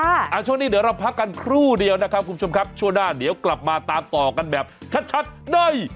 ช่วงนี้เดี๋ยวเราพักกันครู่เดียวนะครับคุณผู้ชมครับช่วงหน้าเดี๋ยวกลับมาตามต่อกันแบบชัดชัดได้